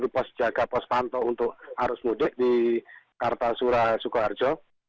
pos jaga pos pantau untuk arus mudik di kartasura sukoharjo